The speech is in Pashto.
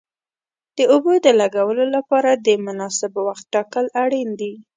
د اوبو د لګولو لپاره د مناسب وخت ټاکل اړین دي.